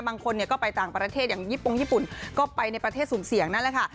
บางคนก็ไปต่างประเทศอย่างยี่ปงญี่ปุ่นก็ไปในประเทศสุ่มเสี่ยงนั่นแหละค่ะ